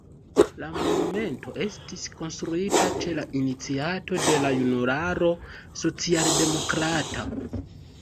La monumento estis konstruita ĉe la iniciato de la Junularo socialdemokrata.